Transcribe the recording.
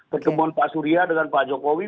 pertemuan pak surya dengan pak jokowi